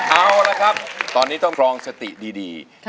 เอาละครับตอนนี้ต้องรองสติดี